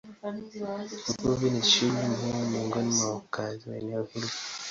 Uvuvi ni shughuli muhimu miongoni mwa wakazi wa eneo hili.